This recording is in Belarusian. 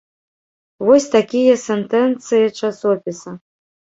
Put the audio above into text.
Вось такія сентэнцыі часопіса.